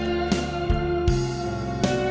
jangan lupa untuk mencoba